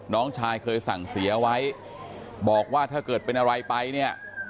น้องชายเคยสั่งเสียไว้บอกว่าถ้าเกิดเป็นอะไรไปเนี่ย